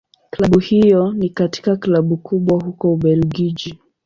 Klabu hiyo ni katika Klabu kubwa huko Ubelgiji.